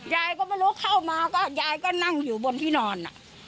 ยายก็ไม่รู้เข้ามาก็ยายก็นั่งอยู่บนที่นอน